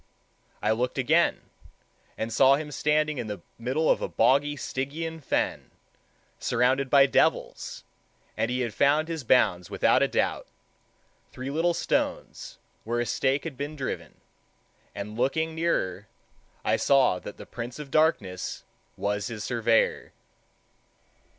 I looked again, and saw him standing in the middle of a boggy Stygian fen, surrounded by devils, and he had found his bounds without a doubt, three little stones, where a stake had been driven, and looking nearer, I saw that the Prince of Darkness was his surveyor.